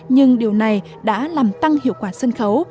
nhưng điều này đã làm tăng hiệu quả sân khấu